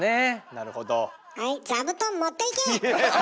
なるほど。